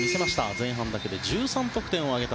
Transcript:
前半だけで１３得点を挙げた